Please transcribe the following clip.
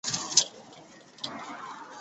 拉拉涅蒙泰格兰人口变化图示